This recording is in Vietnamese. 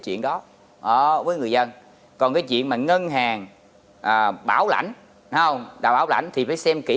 chuyện đó ở với người dân còn cái chuyện mà ngân hàng bảo lãnh không đào áo lãnh thì phải xem kỹ